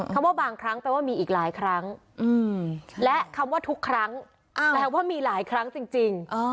คำว่าบางครั้งแปลว่ามีอีกหลายครั้งและคำว่าทุกครั้งแปลว่ามีหลายครั้งจริง